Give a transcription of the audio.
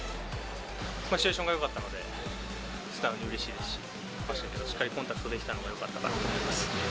シチュエーションがよかったので、素直にうれしいですし、しっかりコンタクトできたのがよかったかなと思います。